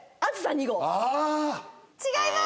違います。